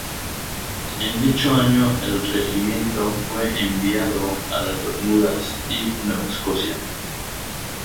En dicho año el regimiento fue enviado a las Bermudas y Nueva Escocia.